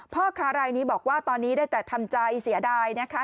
พ่อค้ารายนี้บอกว่าตอนนี้ได้แต่ทำใจเสียดายนะคะ